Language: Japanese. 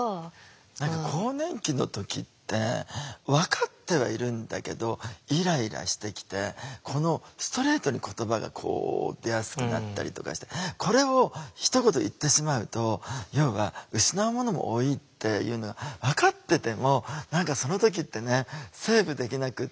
何か更年期の時って分かってはいるんだけどイライラしてきてこのストレートに言葉が出やすくなったりとかしてこれをひと言言ってしまうと要は失うものも多いっていうのが分かってても何かその時ってねセーブできなくって。